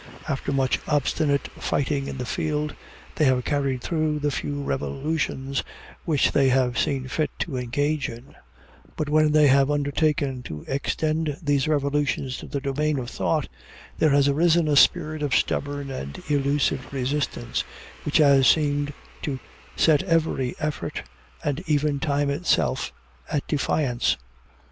After much obstinate fighting in the field, they have carried through the few revolutions which they have seen fit to engage in; but when they have undertaken to extend these revolutions to the domain of thought, there has arisen a spirit of stubborn and elusive resistance, which has seemed to set every effort, and even time itself, at defiance.